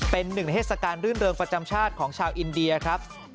เป็นหนึ่งในเทศกาลรื่นเริงประจำชาติของชาวอินเดียครับ